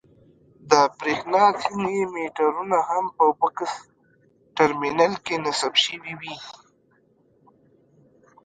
د برېښنا ځینې مېټرونه هم په بکس ټرمینل کې نصب شوي وي.